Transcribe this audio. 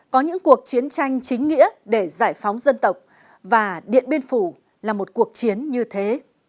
có những cuộc chiến tranh chính nghĩa để giải phóng dân tộc và điện biên phủ là một cuộc chiến như thế